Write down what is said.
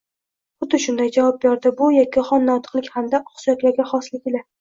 Xuddi shunday, javob berdi bu yakkaxon notiqlik hamda oqsuyaklarga xoslik ila